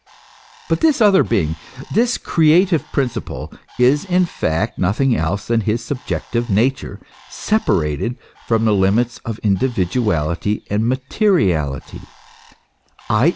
* But this other being, this creative principle, is in fact nothing else than his subjective nature separated from the limits of individuality and materiality, i.